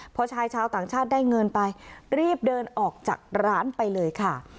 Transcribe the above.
พอชายชาวต่างชาติได้เงินไปรีบเดินออกจากร้านไปเลยค่ะ